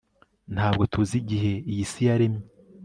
Ntabwo tuzi igihe iyi si yaremye